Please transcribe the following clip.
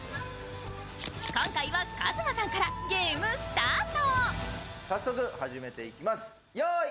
今回はＫＡＺＭＡさんからゲームスタート。